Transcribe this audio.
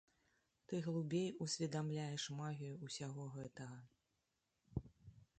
Ты глыбей усведамляеш магію ўсяго гэтага.